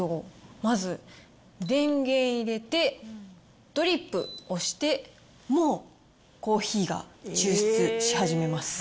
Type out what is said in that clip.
まず、電源入れて、ドリップ押して、もうコーヒーが抽出し始めます。